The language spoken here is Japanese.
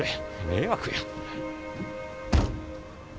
迷惑や。